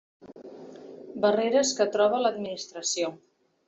Barreres que troba l'administració.